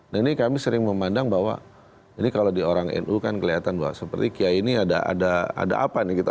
dan ini kami sering memandang bahwa ini kalau di orang nu kan kelihatan bahwa seperti kiai ini ada apa nih gitu